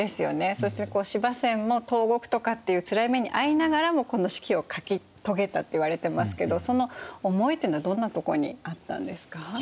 そして司馬遷も投獄とかっていうつらい目に遭いながらもこの「史記」を書き遂げたっていわれてますけどその思いというのはどんなところにあったんですか？